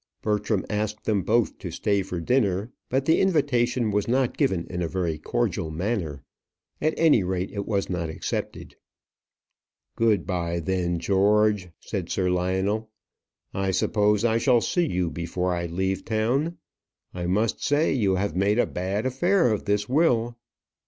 Bertram asked them both to stay for dinner, but the invitation was not given in a very cordial manner. At any rate, it was not accepted. "Good bye, then, George," said Sir Lionel. "I suppose I shall see you before I leave town. I must say, you have made a bad affair of this will."